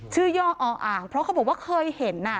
ย่ออ่างเพราะเขาบอกว่าเคยเห็น